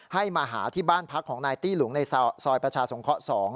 ให้มาหาที่บ้านพักของนายตี้หลวงในซอยประชาสงเคราะห์๒